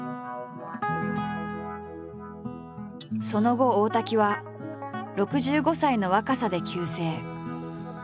その後大滝は６５歳の若さで急逝。